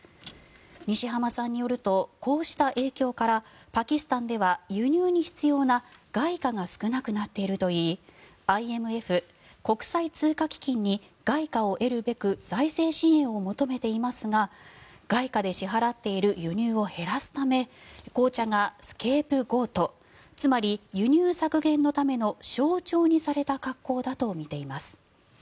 西濱さんによるとこうした影響からパキスタンでは輸入に必要な外貨が少なくなっているといいＩＭＦ・国際通貨基金に外貨を得るべく財政支援を求めていますが外貨で支払っている輸入を減らすため紅茶がスケープゴートつまり、輸入削減のための象徴にされた格好だとみています。